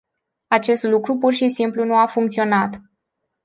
Acest lucru pur și simplu nu a funcționat.